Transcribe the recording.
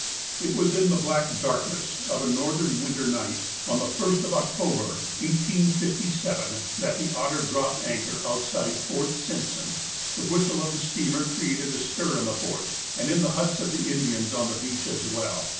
It was in the black darkness of a northern winter night, 50 THE APOSTLE OF ALASKA on the first of October, 1857, that The Otter dropped anchor outside Fort Simpson. The whistle of the steamer created a stir in the Fort, and in the huts of the Indians on the beach as well.